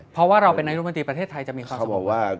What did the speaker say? เพราะว่าเราเป็นนายโรงบัติประเทศไทยจะมีความสุขมากกว่านี้